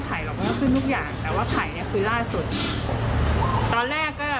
ถ้าคนที่เขาเงินเดือนน้อยรายได้น้อย